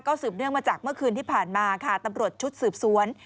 สืบเนื่องมาจากเมื่อคืนที่ผ่านมาค่ะตำรวจชุดสืบสวน